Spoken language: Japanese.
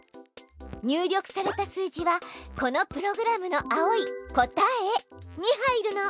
入力された数字はこのプログラムの青い「答え」に入るの。